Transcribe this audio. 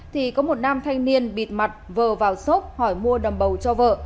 thì có một nam thanh niên bịt mặt vờ vào xốp hỏi mua đầm bầu cho vợ